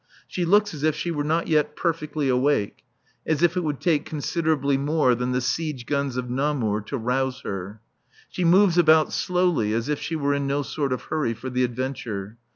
She looks as if she were not yet perfectly awake, as if it would take considerably more than the siege guns of Namur to rouse her. She moves about slowly, as if she were in no sort of hurry for the adventure.